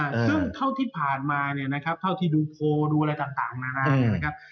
ซึ่งเท่าที่ผ่านมาเนี่ยนะครับเท่าที่ดูโพลดูอะไรต่างนานาเนี่ยนะครับ